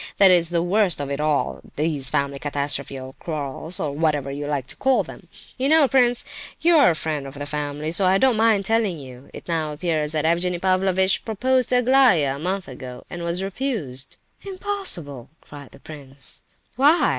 That's the worst of it all, these family catastrophes or quarrels, or whatever you like to call them. You know, prince, you are a friend of the family, so I don't mind telling you; it now appears that Evgenie Pavlovitch proposed to Aglaya a month ago, and was refused." "Impossible!" cried the prince. "Why?